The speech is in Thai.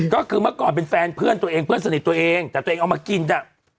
ก็คือเมื่อก่อนเป็นแฟนเพื่อนตัวเองเพื่อนสนิทตัวเองแต่ตัวเองเอามากินอ่ะ